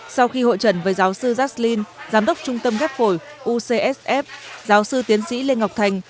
sau khi hội trần với giáo sư zaslin giám đốc trung tâm ghép phổi ucsf giáo sư tiến sĩ lê ngọc thành